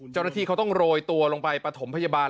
เจ้าหน้าที่เขาต้องโรยตัวลงไปปฐมพยาบาล